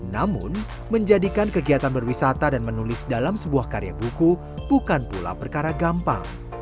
namun menjadikan kegiatan berwisata dan menulis dalam sebuah karya buku bukan pula perkara gampang